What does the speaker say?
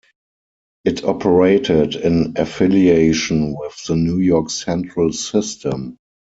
It operated in affiliation with the New York Central system.